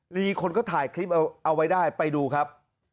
มีคนก็ถ่ายคลิปเอาไว้ได้ไปดูครับ